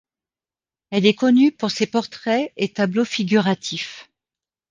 Elle est connue pour ses portraits et tableaux figuratifs.